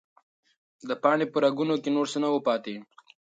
د پاڼې په رګونو کې نور څه نه وو پاتې.